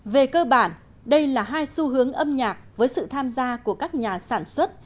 về cơ bản đây là hai xu hướng âm nhạc với sự tham gia của các nhà sản xuất